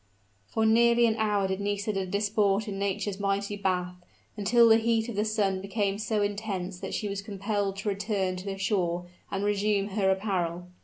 For nearly an hour did Nisida disport in Nature's mighty bath until the heat of the sun became so intense that she was compelled to return to the shore and resume her apparel.